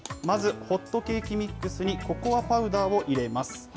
まずホットケーキミックスにココアパウダーを入れます。